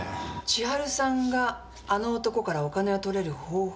千春さんがあの男からお金を取れる方法は。